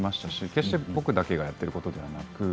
決して僕だけがやってることじゃなく